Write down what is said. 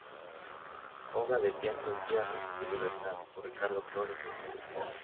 Obra de Teatro "Tierra y Libertad" por Ricardo Flores Magón.